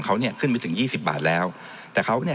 เขานี่ขึ้นไปถึง๒๐บาทแล้วแต่เขาเนี่ย